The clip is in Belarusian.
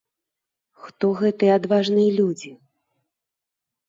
Хто гэтыя адважныя людзі?